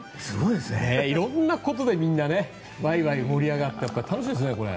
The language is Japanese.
色んなことでみんなワイワイ盛り上がって楽しいですね。